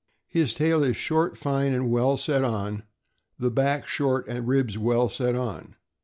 His tail is short, fine, and well set on; the back short and ribs well set on.